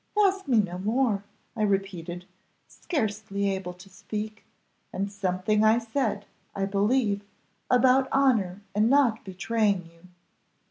'Ask me no more,' I repeated, scarcely able to speak; and something I said, I believe, about honour and not betraying you.